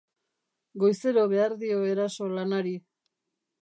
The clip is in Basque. Goizero behar dio eraso lanari.